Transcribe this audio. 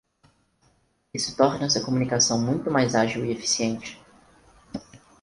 Isso torna essa comunicação muito mais ágil e eficiente.